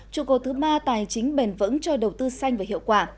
trụ cột thứ ba tài chính bền vững cho đầu tư xanh và hiệu quả